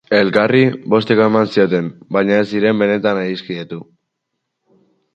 Elkarri bostekoa eman zioten, baina ez ziren benetan adiskidetu.